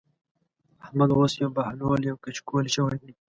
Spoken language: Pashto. احمد اوس يو بهلول يو کچکول شوی دی.